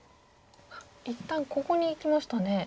一旦ここにいきましたね。